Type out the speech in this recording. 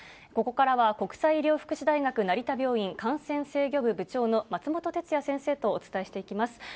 ここからは、国際医療福祉大学成田病院感染制御部部長の松本哲哉先生とお伝えしていきます。